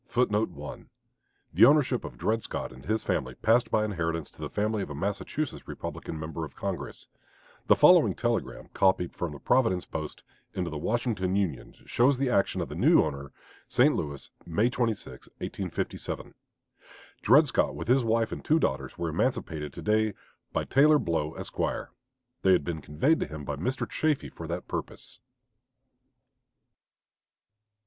The ownership of Dred Scott and his family passed by inheritance to the family of a Massachusetts Republican member of Congress. The following telegram, copied from the "Providence Post" into the "Washington Union," shows the action of the new owner: "St. Louis, May 26 . Dred Scott with his wife and two daughters were emancipated to day by Taylor Blow, Esq. They had been conveyed to him by Mr. Chaffee for that purpose."